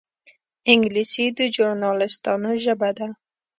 انګلیسي د ژورنالېستانو ژبه ده